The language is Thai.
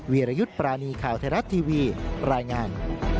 วิรยุทธ์ปรานีข่าวไทยรัฐทีวีรายงาน